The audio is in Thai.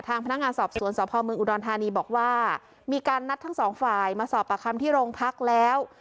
พนักงานสอบสวนสพเมืองอุดรธานีบอกว่ามีการนัดทั้งสองฝ่ายมาสอบปากคำที่โรงพักแล้ว